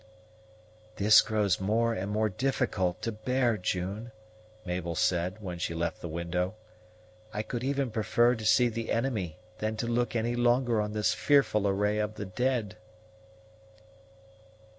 "This grows more and more difficult to bear, June," Mabel said, when she left the window. "I could even prefer to see the enemy than to look any longer on this fearful array of the dead."